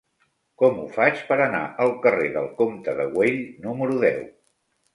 Com ho faig per anar al carrer del Comte de Güell número deu?